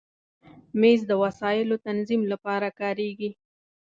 مېز د وسایلو تنظیم لپاره کارېږي.